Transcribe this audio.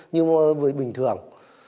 như bình thường